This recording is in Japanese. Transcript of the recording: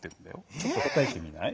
ちょっとたたいてみない？